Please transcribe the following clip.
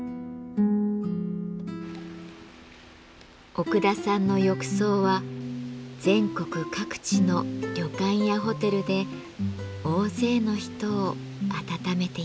奥田さんの浴槽は全国各地の旅館やホテルで大勢の人を温めています。